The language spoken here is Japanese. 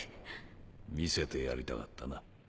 見せてやりたかったな。